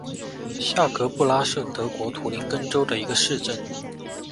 下格布拉是德国图林根州的一个市镇。